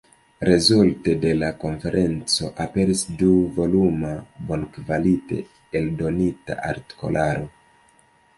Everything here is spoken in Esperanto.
Rezulte de la konferenco aperis du-voluma bonkvalite eldonita artikolaro.